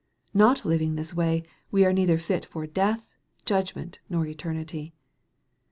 Not living in this way, we are neither fit for death, judgment, nor eternity.